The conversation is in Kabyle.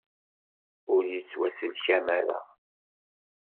Ur yettwaselkam ara.